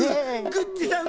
「グッチさん